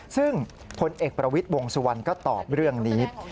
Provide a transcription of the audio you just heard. ซึ่งพลเอกประวิทย์วงสุวรรณก็ตอบเรื่องนี้